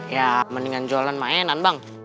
ya mendingan jualan mainan bang